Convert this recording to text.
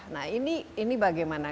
nah ini bagaimana